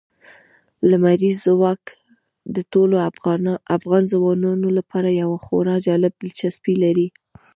لمریز ځواک د ټولو افغان ځوانانو لپاره یوه خورا جالب دلچسپي لري.